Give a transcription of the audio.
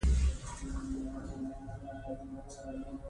ملاینو دعا ورته وکړه.